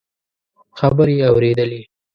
خبرې اورېدلې.